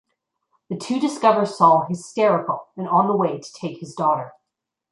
The two discover Saul hysterical and on the way to take his daughter.